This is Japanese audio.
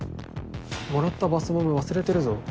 もらったバスボム忘れてるぞ。